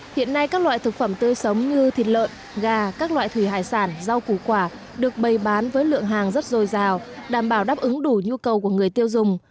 hiện nay các loại thực phẩm tươi sống như thịt lợn gà các loại thủy hải sản rau củ quả được bày bán với lượng hàng rất dồi dào đảm bảo đáp ứng đủ nhu cầu của người tiêu dùng